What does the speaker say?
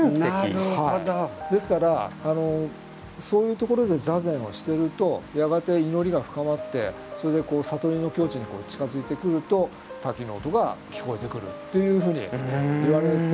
ですからそういうところで座禅をしてるとやがて祈りが深まって悟りの境地に近づいてくると滝の音が聞こえてくるっていうふうにいわれてるんですね。